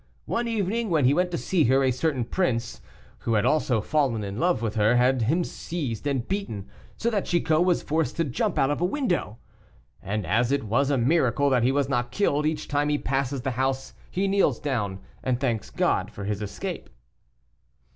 One evening when he went to see her, a certain prince, who had also fallen in love with her, had him seized and beaten, so that Chicot was forced to jump out of window; and as it was a miracle that he was not killed, each time he passes the house he kneels down and thanks God for his escape."